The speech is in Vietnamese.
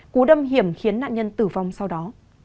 cú đâm hỉm khiến nạn nhân tử vong sau đó